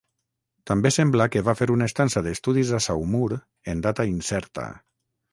També sembla que va fer una estança d'estudis a Saumur en data incerta.